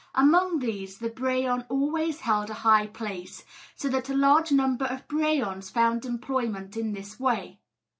Among these the brehon always held a high place; so that a large number of brehons found employment in this way.